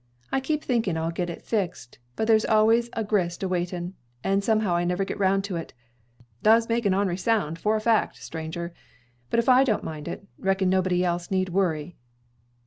I keep thinking I'll get it fixed; but there's always a grist a waiting, so somehow I never get 'round to it. Does make an or'nery sound for a fact, stranger; but if I don't mind it, reckon nobody else need worry."